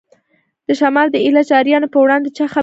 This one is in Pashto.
د شمال د ایله جاریانو په وړاندې چا خبرې نه شوای کولای.